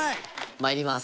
まいります。